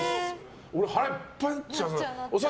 俺腹いっぱいになっちゃうな。